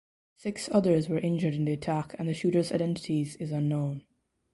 Six others were injured in the attack and the shooters identities is unknown.